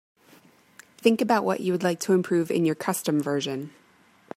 Think about what you would like to improve in your custom version.